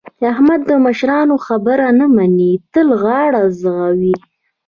احمد د مشرانو خبره نه مني؛ تل غاړه ځوي.